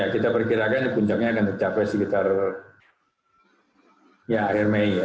kita perkirakan puncaknya akan tercapai sekitar akhir mei ya